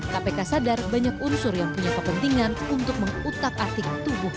kpk sadar banyak unsur yang punya kepentingan untuk mengutak atik tubuh